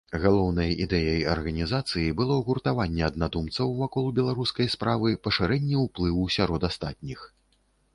Галоўнай ідэяй арганізацыі было гуртаванне аднадумцаў вакол беларускай справы, пашырэнне ўплыву сярод астатніх.